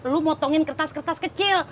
lu motongin kertas kertas kecil